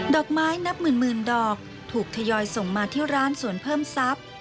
อกไม้นับหมื่นดอกถูกทยอยส่งมาที่ร้านสวนเพิ่มทรัพย์